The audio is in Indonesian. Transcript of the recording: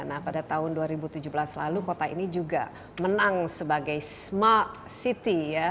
nah pada tahun dua ribu tujuh belas lalu kota ini juga menang sebagai smart city ya